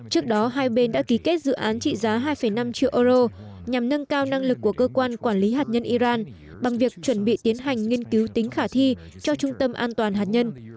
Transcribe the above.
trước đó hai bên đã ký kết dự án trị giá hai năm triệu euro nhằm nâng cao năng lực của cơ quan quản lý hạt nhân iran bằng việc chuẩn bị tiến hành nghiên cứu tính khả thi cho trung tâm an toàn hạt nhân